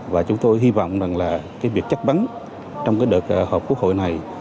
và chúng tôi hy vọng việc chất vấn trong đợt họp quốc hội này